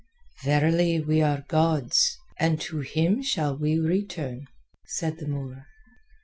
"Verily we are God's, and to Him shall we return," said the Moor.